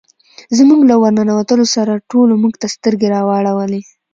زموږ له ور ننوتلو سره ټولو موږ ته سترګې را واړولې.